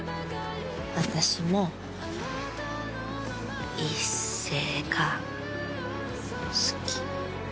私も一星が好き。